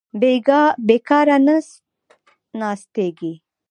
بېکاره نه ناستېږي.